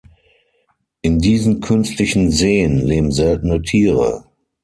In diesen künstlichen Seen leben seltene Tiere.